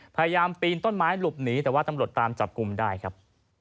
พยายามปีนต้นไม้หลบหนีแต่ว่าตำรวจตามจับกลุ่มได้ครับ